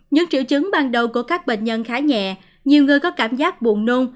những triệu chứng ban đầu của các bệnh nhân khá nhẹ nhiều người có cảm giác buồn nôn